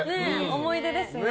思い出ですね。